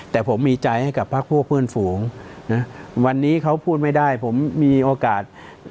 แต่ผมมีใจให้กับพักพวกเพื่อนฝูงนะวันนี้เขาพูดไม่ได้ผมมีโอกาส